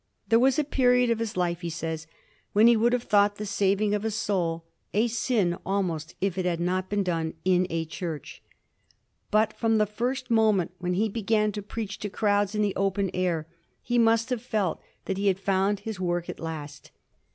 There was a period of his' life, he says, when he would have thought the saving of a soul '^a sin almost if it had not been done in a church." But from the first moment when he began to preach to crowds in the open air he must have felt that he had found his work at last.